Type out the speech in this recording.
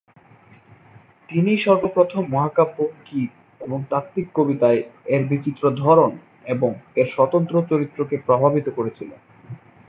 তিনিই সর্বপ্রথম মহাকাব্য, গীত, এবং তাত্ত্বিক কবিতায় এর বিচিত্র ধরন এবং এর স্বতন্ত্র চরিত্রকে প্রভাবিত করেছিলেন।